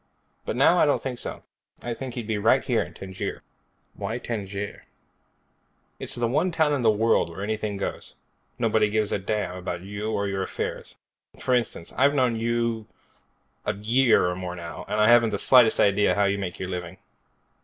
But now I don't think so. I think he'd be right here in Tangier." "Why Tangier?" "It's the one town in the world where anything goes. Nobody gives a damn about you or your affairs. For instance, I've known you a year or more now, and I haven't the slightest idea of how you make your living."